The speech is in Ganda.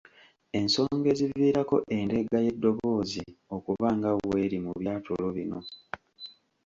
Ensonga eziviirako endeega y’eddoboozi okuba nga bw'eri mu byatulo bino.